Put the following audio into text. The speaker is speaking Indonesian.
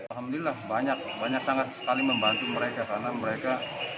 alhamdulillah banyak banyak sangat sekali membantu mereka karena mereka